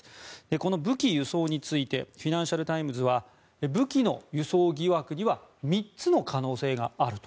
この武器輸送についてフィナンシャル・タイムズは武器の輸送疑惑には３つの可能性があると。